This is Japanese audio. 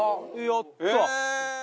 やったー！